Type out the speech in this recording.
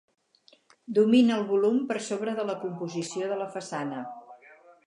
Domina el volum per sobre la composició de la façana.